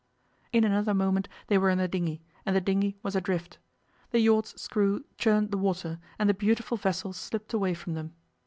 '. In another moment they were in the dinghy, and the dinghy was adrift. The yacht's screw churned the water, and the beautiful vessel slipped away from them.